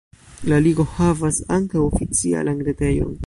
La ligo havas ankaŭ oficialan retejon.